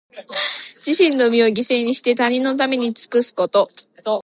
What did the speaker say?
自分の身を犠牲にして、他人のために尽くすこと。